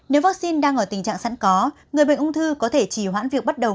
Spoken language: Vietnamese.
nếu vaccine đang ở tình trạng sẵn có người bệnh ung thư có thể trì hoãn việc bắt đầu